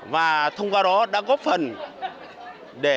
và thông qua đó đã góp phần để